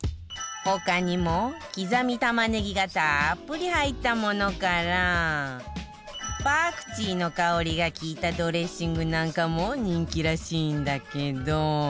他にもきざみ玉ネギがたっぷり入ったものからパクチーの香りが利いたドレッシングなんかも人気らしいんだけど